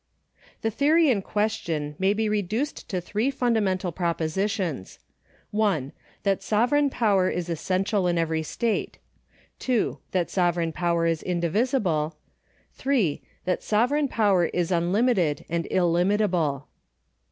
The theory in question may be reduced to three fundamental proposi tions :— 1. That sovereign power is essential in every state ; 2. That sovereign power is incUvisible ; 3. That sovereign power is unUmited and illimitable.